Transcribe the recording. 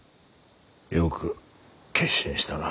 よく決心したな。